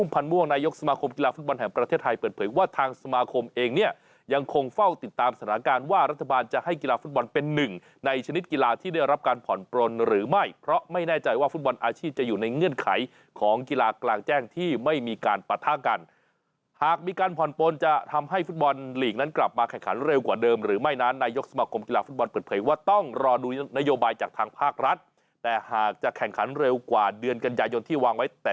ผ่อนปรณหรือไม่เพราะไม่แน่ใจว่าฟุตบอลอาชีพจะอยู่ในเงื่อนไขของกีฬากลางแจ้งที่ไม่มีการปรัฒนากันหากมีการผ่อนปรณจะทำให้ฟุตบอลหลีกนั้นกลับมาแข่งขันเร็วกว่าเดิมหรือไม่นานนายกสมกรมกีฬาฟุตบอลเปิดเผยว่าต้องรอดูนโยบายจากทางภาครัฐแต่หากจะแข่งขันเร็วกว่าเดือนกันยายนที่ว